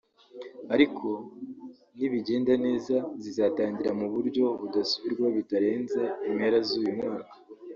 ariko ko nibigenda neza zizatangira mu buryo budasubirwaho bitarenze impera z’uyu mwaka